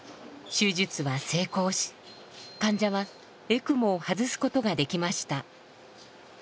手術は成功し患者はエクモを外すことができました。